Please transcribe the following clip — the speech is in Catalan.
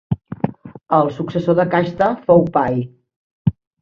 El successor de Kashta fou Piye.